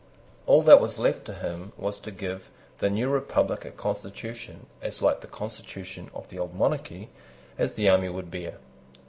All that was left to him was to give to the new republic a constitution as like the constitution of the old monarchy as the army would bear.